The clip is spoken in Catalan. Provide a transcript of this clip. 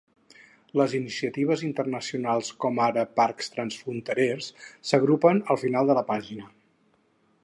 Les iniciatives internacionals com ara parcs transfronterers s'agrupen al final de la pàgina.